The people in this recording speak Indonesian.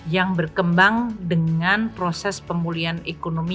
yang berkembang dengan proses pemulihan ekonomi